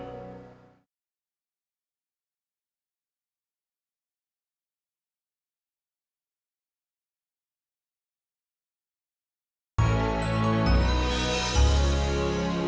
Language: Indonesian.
saya mau kasih tahu